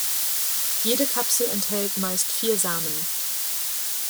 Jede Kapsel enthält meist vier Samen.